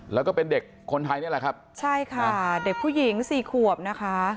แล้วก็เป็นเด็กคนไทยนี่แหละครับใช่ค่ะเด็กผู้หญิงสี่ขวบนะคะ